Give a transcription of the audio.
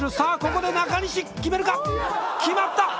ここで中西決めるか決まった！